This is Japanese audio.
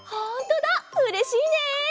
うれしいね！